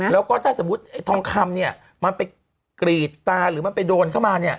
แล้วก็ถ้าสมมติทองคำนี่มันไปกรีดตาหรือมันไปโดนเข้ามา